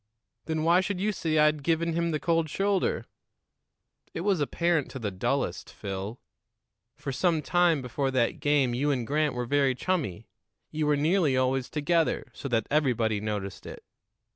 "Then why should you say I'd given him the cold shoulder?" "It was apparent to the dullest, Phil. For some time before that game you and Grant were very chummy; you were nearly always together, so that everybody noticed it.